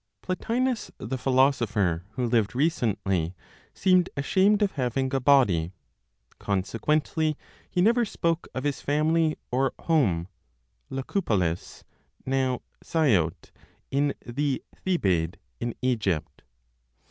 Plotinos the philosopher, who lived recently, seemed ashamed of having a body. Consequently he never spoke of his family or home (Lycopolis, now Syout, in the Thebaid, in Egypt).